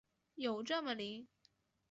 有这么灵？